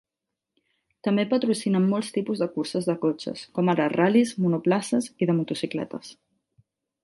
També patrocinen molts tipus de curses de cotxes, com ara ral·lis, monoplaces i de motocicletes.